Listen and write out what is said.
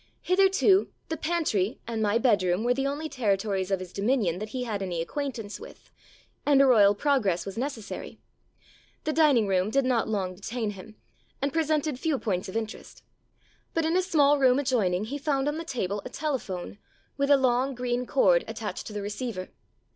Hitherto the pantry and my bedroom were the only territories of his dominion that he had any acquaint ance with, and a royal progress was necessary. The dining room did not long detain him, and presented few points of interest, but in a small room adjoining he .found on the table a telephone with a long green cord attached to the receiver.